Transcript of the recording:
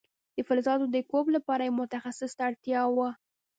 د فلزاتو د کوب لپاره یو متخصص ته اړتیا وه.